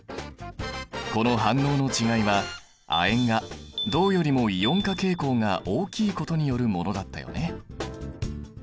この反応の違いは亜鉛が銅よりもイオン化傾向が大きいことによるものだったよね。